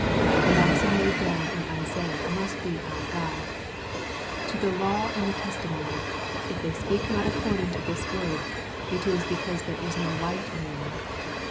The maxim laid down in Isaiah must be our guide :(" To the law and the testimony : if they speak not ac cording to this word, it is because there is no light in them.''